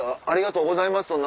ありがとうございます。